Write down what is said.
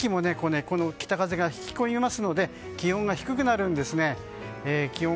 寒気もこの北風が引き込みますので気温が低くなるんですね。